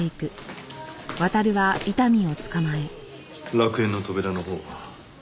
楽園の扉のほうは？